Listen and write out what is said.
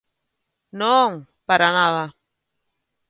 ¡Non, para nada!